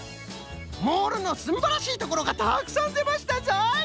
モールのすんばらしいところがたくさんでましたぞい！